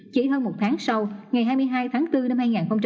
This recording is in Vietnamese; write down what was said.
chỉ hơn một tháng sau ngày hai mươi hai tháng bốn năm hai nghìn một mươi chín